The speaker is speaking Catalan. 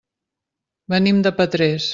Venim de Petrés.